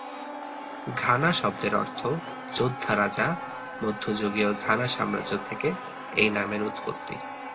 Ghana শব্দের অর্থ "যোদ্ধা রাজা" মধ্যযুগীয় ঘানা সাম্রাজ্য থেকে এ নামের উৎপত্তি।